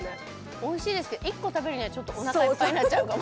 おいしいですけど１個食べるにはちょっとおなかいっぱいになっちゃうかも。